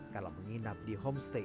kalau menginap di homestay